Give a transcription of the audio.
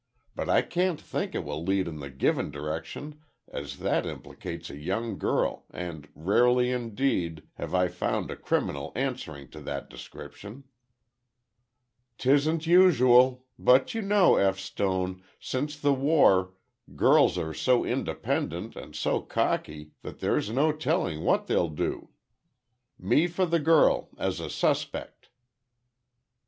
But I can't think it will lead in the given direction as that implicates a young girl, and rarely indeed, have I found a criminal answering to that description." "'Tisn't usual—but, you know, F. Stone, since the war, girls are so independent and so cocky that there's no telling what they'll do. Me for the girl—as a suspect."